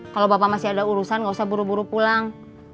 kalau bapak masih ada urusan gak usah buru buru pulang